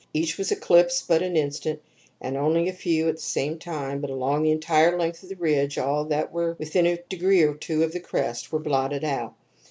Each was eclipsed but an instant, and only a few at the same time, but along the entire length of the ridge all that were within a degree or two of the crest were blotted out.